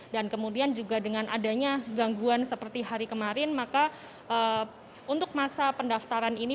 dan kemudian juga dengan adanya gangguan seperti hari kemarin maka untuk masa pendaftaran ini